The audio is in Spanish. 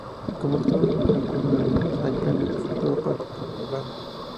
Como resultado de un concurso de ideas hay planes de futuro para el poblado.